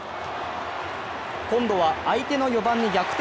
今度は相手の４番に逆転